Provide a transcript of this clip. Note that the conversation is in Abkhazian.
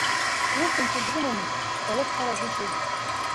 Урҭ Анцәа дрымамызт, бара ибхарагәышьоузеи?